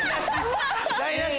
台無し！